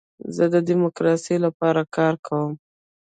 زه د ډیموکراسۍ لپاره کار کوم.